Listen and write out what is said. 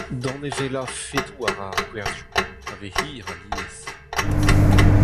Danevellañ fedoù a ra ar gwerzioù, a vez hir alies.